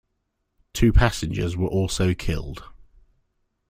Two passengers were also killed.